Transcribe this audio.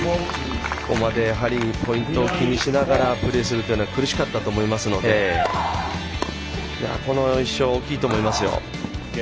ここまでやはりポイントを気にしながらプレーするというのは苦しかったと思いますのでこの１勝は大きいと思います。